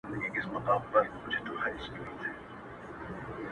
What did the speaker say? o غوړ پر غوړ توئېږي نه پر خواره چاوده٫